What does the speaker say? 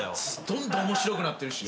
どんどん面白くなってるしね。